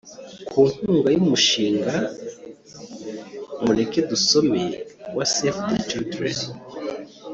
ku nkunga y’umushinga mureke dusome wa Save the Children